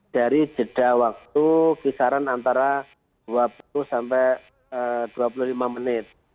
dari jeda waktu kisaran antara dua puluh sampai dua puluh lima menit